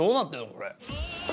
これ。